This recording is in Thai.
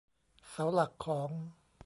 เสาหลักของ